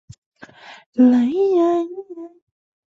诺伊莱温是德国勃兰登堡州的一个市镇。